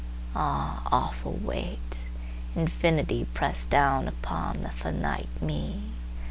Ah, awful weight! InfinityPressed down upon the finite Me!